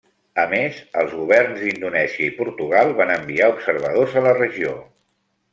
A més, els governs d'Indonèsia i Portugal van enviar observadors a la regió.